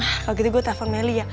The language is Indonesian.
ah kalo gitu gue telepon nelly ya